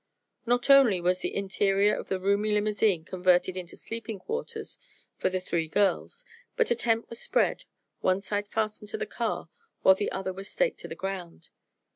Not only was the interior of the roomy limousine converted into sleeping quarters for the three girls, but a tent was spread, one side fastened to the car while the other was staked to the ground.